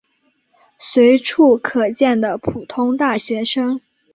随处可见的普通大学生。